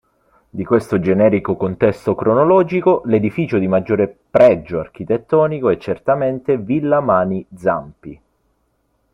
Di questo generico contesto cronologico l’edificio di maggiore pregio architettonico è certamente Villa Mani-Zampi.